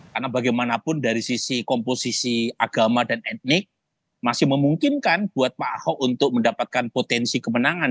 karena bagaimanapun dari sisi komposisi agama dan etnik masih memungkinkan buat pak ahok untuk mendapatkan potensi kemenangan